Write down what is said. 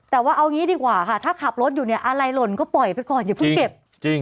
แต่ว่าเอางี้ดีกว่าค่ะถ้าขับรถอยู่เนี่ยอะไรหล่นก็ปล่อยไปก่อนอย่าเพิ่งเก็บจริง